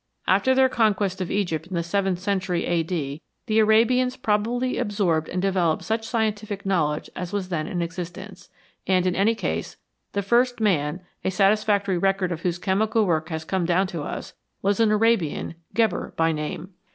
After their conquest of Egypt in the seventh century A.D. the Arabians probably absorbed and de veloped such scientific knowledge as was then in existence, and in any case the first man, a satisfactory record of whose chemical work has come down to us, was an Arabian, Geber by name.